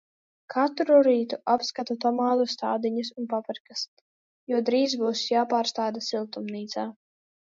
Katru rītu apskatu tomātu stādiņus un paprikas, jo drīzi būs jāpārstāda siltumnīcā.